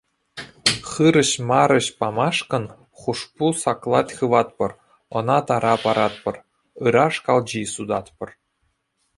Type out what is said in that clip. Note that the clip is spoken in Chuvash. Хырӑҫ-марӑҫ памашкӑн хушпу саклат хыватпӑр, ӑна тара паратпӑр, ыраш калчи сутатпӑр.